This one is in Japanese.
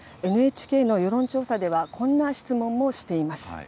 ＮＨＫの世論調査では、こんな質問もしています。